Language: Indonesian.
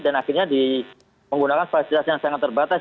dan akhirnya menggunakan fasilitas yang sangat terbatas